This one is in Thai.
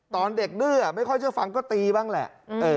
ตอนเด็กดื้อไม่ค่อยเชื่อฟังก็ตีบ้างแหละ